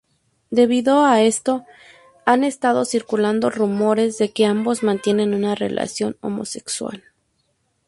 Debido a esto, han estado circulando rumores de que ambos mantienen una relación homosexual.